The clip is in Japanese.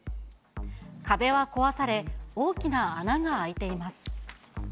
壁は壊され、大きな穴が開いています。